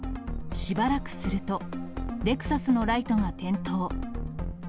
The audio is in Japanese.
しばらくすると、レクサスのライトが点灯。